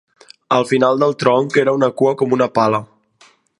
Al final del tronc era una cua com una pala.